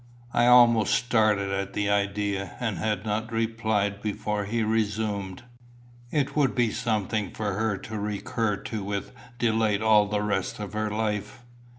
I almost started at the idea, and had not replied before he resumed: "It would be something for her to recur to with delight all the rest of her life."